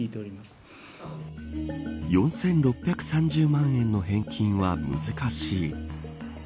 ４６３０万円の返金は難しい。